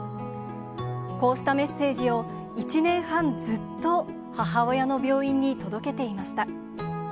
こうしたメッセージを、１年半ずっと母親の病院に届けていました。